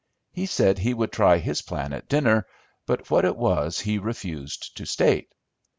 He said he would try his plan at dinner, but what it was he refused to state.